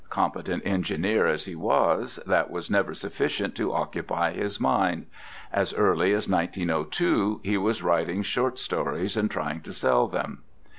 Competent engineer as he was, that was never sufficient to occupy his mind. As early as 1902 he was writing short stories and trying to sell them.